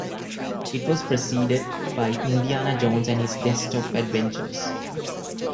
It was preceded by "Indiana Jones and His Desktop Adventures".